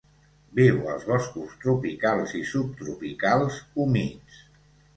Viu als boscos tropicals i subtropicals humits.